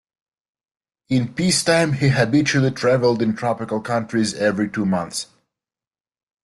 In peacetime he habitually travelled in tropical countries every two months.